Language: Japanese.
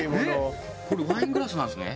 これワイングラスなんですね。